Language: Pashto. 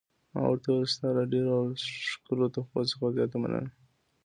ما ورته وویل: ستا له ډېرو او ښکلو تحفو څخه زیاته مننه.